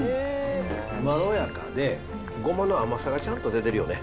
まろやかで、ごまの甘さがちゃんと出てるよね。